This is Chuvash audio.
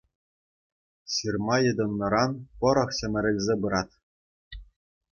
Ҫырма йӑтӑннӑран пӑрӑх ҫӗмӗрӗлсе пырать.